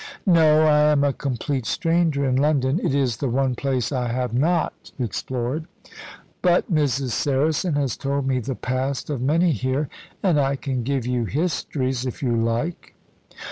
"No; I am a complete stranger in London. It is the one place I have not explored. But Mrs. Saracen has told me the past of many here, and I can give you histories, if you like."